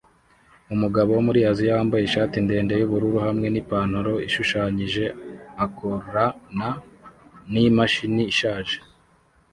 Umugabo wo muri Aziya wambaye ishati ndende yubururu hamwe nipantaro ishushanyije akorana nimashini ishaje